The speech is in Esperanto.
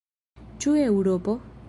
Ĉu Eŭropo?